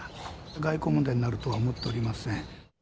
外交問題になるとは思っておりません。